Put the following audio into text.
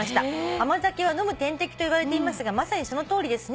「甘酒は飲む点滴といわれていますがまさにそのとおりですね。